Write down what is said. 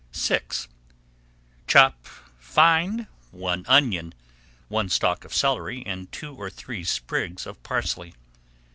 VI Chop fine one onion, one stalk of celery, and two or three sprigs of parsley.